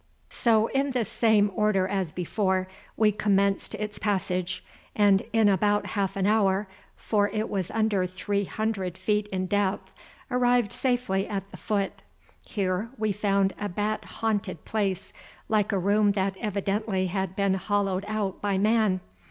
So, in the same order as before, we commenced its passage, and in about half an hour, for it was under three hundred feet in depth, arrived safely at the foot. Here we found a bat haunted place like a room that evidently had been hollowed out by man.